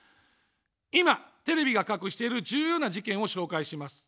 今、テレビが隠している重要な事件を紹介します。